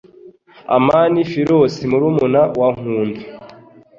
Amani, Philos murumuna wa Nkunda